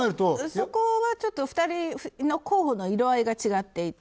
そこはちょっと２人の候補の色合いが違っていて。